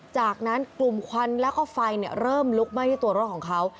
จากนั้นกลุ่มควันแล้วก็ไฟเริ่มลุกไหม้ที่ตัวรถของเขา